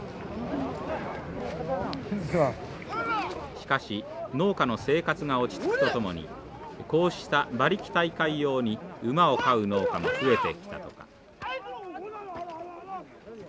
しかし農家の生活が落ち着くとともにこうした馬力大会用に馬を飼う農家も増えてきたとか。